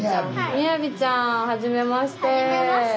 雅ちゃんはじめまして。